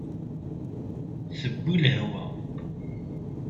Tewwi lehwa.